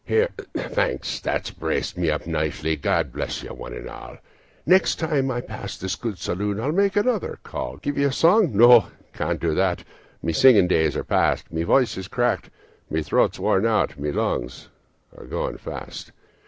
"There, thanks, that's braced me nicely; God bless you one and all; Next time I pass this good saloon I'll make another call. Give you a song? No, I can't do that; my singing days are past; My voice is cracked, my throat's worn out, and my lungs are going fast.